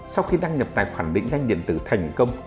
sau khi đăng nhập tài khoản định danh điện tử thành công